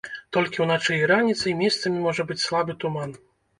Толькі ўначы і раніцай месцамі можа быць слабы туман.